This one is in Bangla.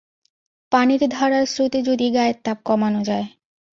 পানির ধারার স্রোতে যদি গায়ের তাপ কমানো যায়।